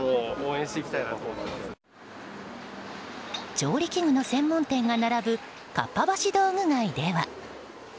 調理器具の専門店が並ぶかっぱ橋道具街では。